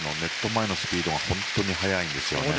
前のスピードが本当に速いんですね。